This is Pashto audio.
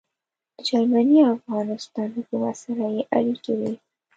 د جرمني او افغانستان حکومت سره يې اړیکې وې.